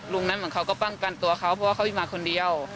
นั้นเหมือนเขาก็ป้องกันตัวเขาเพราะว่าเขาจะมาคนเดียว